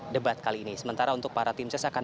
debat kali ini sementara untuk para tim ses akan